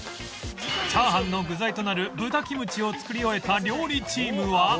チャーハンの具材となる豚キムチを作り終えた料理チームは